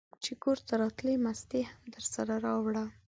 چې کورته راتلې مستې هم درسره راوړه!